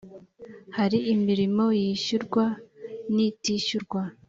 hari imirimo yishyurwan’itishyurwa